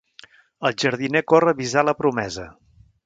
El jardiner corre a avisar la promesa.